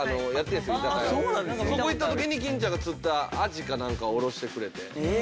そこ行った時に金ちゃんが釣ったアジかなんかをおろしてくれて。